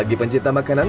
bagi pencipta makanan